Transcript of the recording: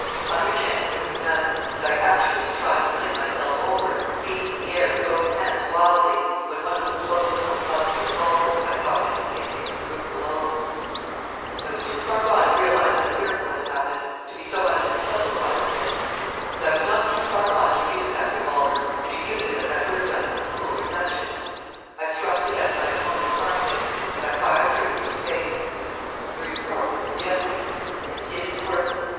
Other chance there was none, and I was actually trying to fling myself over, beating the air with both hands wildly, when one of them closed upon the butt of the revolver that I thought had been kicked into the room below! I was too far gone to realise that a miracle had happened to be so much as puzzled by it then. But I was not too far gone to use that revolver, and to use it as I would have done on cool reflection. I thrust it under my opponent's armpit, and I fired through into space. The report was deafening. It did its work.